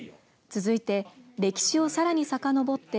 続いて、歴史をさらにさかのぼって